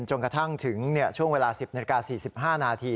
จนกระทั่งถึงช่วงเวลา๑๐นาฬิกา๔๕นาที